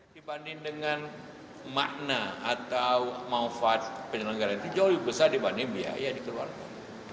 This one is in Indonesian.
dibanding dengan makna atau manfaat penyelenggaraan itu jauh lebih besar dibanding biaya dikeluarkan